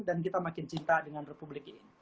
dan kita makin cinta dengan republik ini